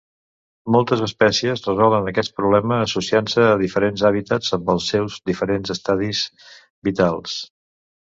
Moltes espècies resolen aquest problema associant-se a diferents hàbitats amb els seus diferents estadis vitals.